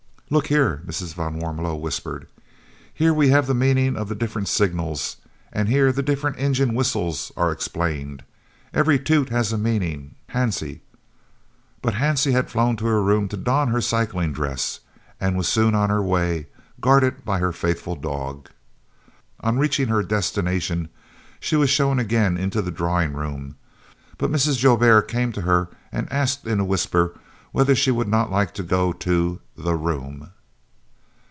"Look here," Mrs. van Warmelo whispered, "here we have the meanings of the different signals, and here the different engine whistles are explained. Every 'toot' has a meaning, Hansie " But Hansie had flown to her room to don her cycling dress, and was soon on her way, guarded by her faithful dog. On reaching her destination she was again shown into the drawing room, but Mrs. Joubert came to her and asked in a whisper whether she would not like to go to the room.